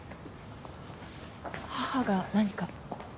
義母が何か？